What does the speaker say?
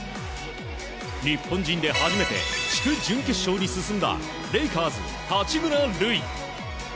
日本人で初めて地区準決勝に進んだレイカーズ八村塁。